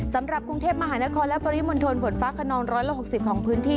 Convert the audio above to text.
สำหรับกรุงเทพมหานครและปริมณฑลฝนฟ้าขนอง๑๖๐ของพื้นที่